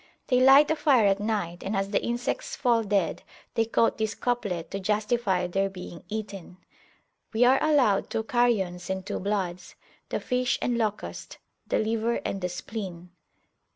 They light a fire at night, and as the insects fall dead they quote this couplet to justify their being eaten We are allowed two carrions and two bloods, The fish and locust, the liver and the spleen.